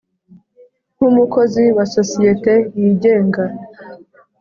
nk umukozi wa sosiyete y’igenga